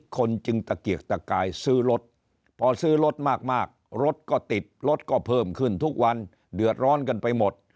คนจึงตะเกียกตะกายซื้อรถพอซื้อรถมากรถก็ติดรถก็เพิ่มขึ้นทุกวันเดือดร้อนกันไปหมด